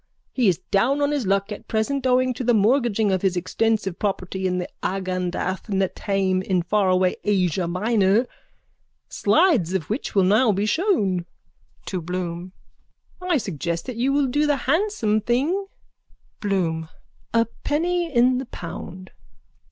He is down on his luck at present owing to the mortgaging of his extensive property at Agendath Netaim in faraway Asia Minor, slides of which will now be shown. (To Bloom.) I suggest that you will do the handsome thing. BLOOM: A penny in the pound.